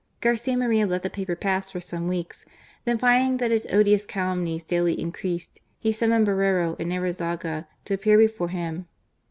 Garcia Moreno let the paper pass for some weeks : then finding that its odious calumnies daily increased, he summoned Borrero and Arizaga to appear before him.